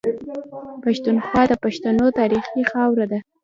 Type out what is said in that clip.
پښتونخوا د پښتنو تاريخي خاوره ده.